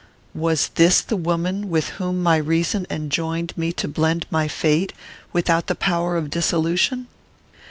Was this the woman with whom my reason enjoined me to blend my fate, without the power of dissolution?